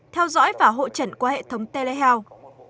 phảo hộ trận qua hệ thống telehealth